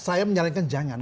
saya menyalankan jangan